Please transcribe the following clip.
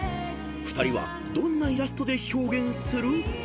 ２人はどんなイラストで表現する？］